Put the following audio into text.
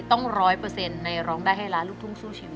ต้องร้อยเปอร์เซ็นต์ในร้องได้ให้ล้านลูกทุ่มสู้ใช่มั้ย